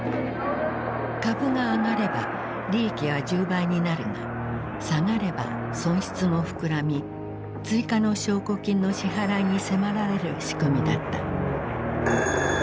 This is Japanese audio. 株が上がれば利益は１０倍になるが下がれば損失も膨らみ追加の証拠金の支払いに迫られる仕組みだった。